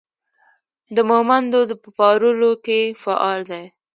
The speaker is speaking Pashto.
د مهمندو په پارولو کې فعال دی.